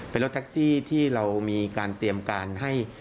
เป็นรถแท็กซี่ที่เรามีการเตรียมการให้